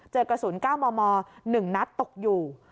เจอกระสุน๙มม๑นัดตกอยู่